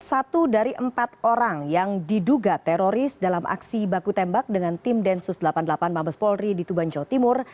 satu dari empat orang yang diduga teroris dalam aksi baku tembak dengan tim densus delapan puluh delapan mabes polri di tuban jawa timur